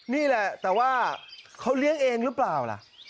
นี่แหละแต่ว่าเขาเลี้ยงเองหรือเปล่าล่ะ